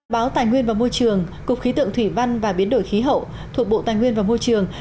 báo tài nguyên và môi trường cục khí tượng thủy văn và biến đổi khí hậu thuộc bộ tài nguyên và môi trường